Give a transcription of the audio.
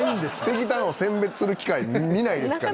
石炭を選別する機械見ないですから。